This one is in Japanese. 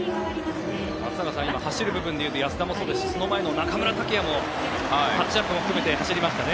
松坂さん、走る部分でいうと安田もそうですしその前の中村剛也もタッチアップを含めて走りました。